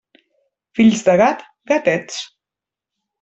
Fills de gat, gatets.